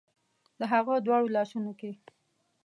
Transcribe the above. د هغه دواړو لاسونو کې